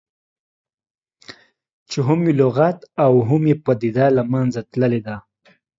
چې هم یې لغت او هم یې پدیده له منځه تللې ده.